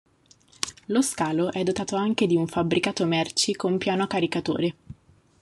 Lo scalo è dotato anche di un fabbricato merci con piano caricatore.